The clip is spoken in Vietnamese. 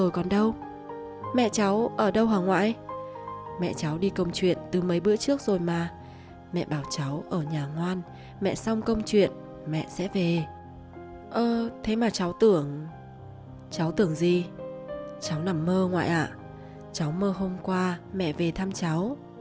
cháu tưởng gì cháu nằm mơ ngoại ạ cháu mơ hôm qua mẹ về thăm cháu